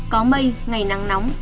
có mây ngày nắng nóng